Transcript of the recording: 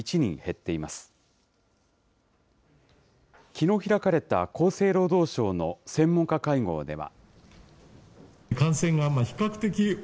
きのう開かれた厚生労働省の専門家会合では。